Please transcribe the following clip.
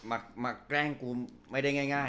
อ่าคือมาแกล้งกูไม่ได้ง่าย